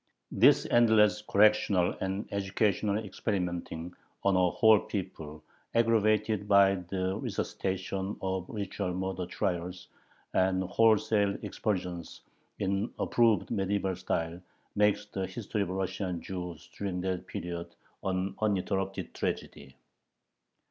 This endless "correctional" and "educational" experimenting on a whole people, aggravated by the resuscitation of ritual murder trials and wholesale expulsions in approved medieval style, makes the history of Russian Jews during that period an uninterrupted tragedy.